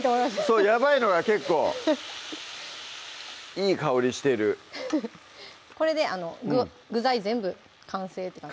そうやばいのが結構いい香りしてるこれで具材全部完成って感じ